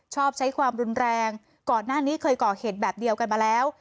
ชอบใช้ความรุนแรงก่อนหน้านี้เคยก่อเหตุแบบเดียวกันมาแล้ว